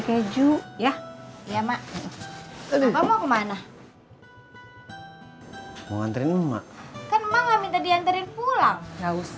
keju ya iya maksudnya kamu kemana mau ngantrin emak